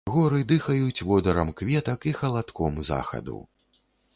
Горы дыхаюць водарам кветак і халадком захаду.